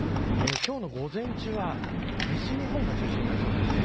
今日の午前中は西日本が中心になりそうです。